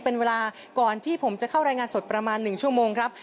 เป็นเวลาก่อนที่ผมจะเข้ารายงานสดประมาณ๑ชั่วโมงครับ